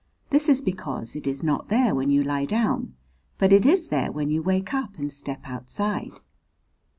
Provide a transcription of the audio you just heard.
This is because it is not there when you lie down, but it is there when you wake up and step outside.